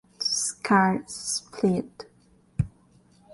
The scar is split.